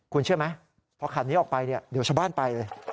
คุณเชื่อไหมเพราะขาดนี้ออกไปเดี๋ยวชาวบ้านไปเลย